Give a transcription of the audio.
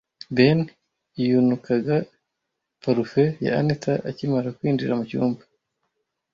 Ben yunukaga parufe ya Anita akimara kwinjira mucyumba.